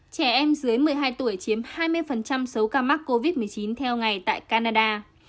trẻ em dưới một mươi hai tuổi chiếm hai mươi số ca mắc covid một mươi chín theo ngày tại canada